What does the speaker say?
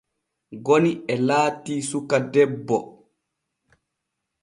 Goni e laati suka debbo.